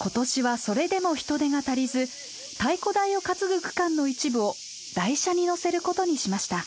今年はそれでも人手が足りず太鼓台を担ぐ区間の一部を台車に乗せることにしました。